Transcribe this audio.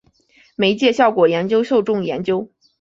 媒介效果研究受众研究